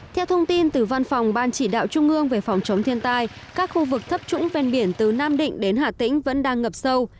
theo thông tin từ văn phòng ban chỉ đạo trung ương về phòng chống thiên tai các khu vực thấp trũng ven biển từ nam định đến hà tĩnh vẫn đang ngập sâu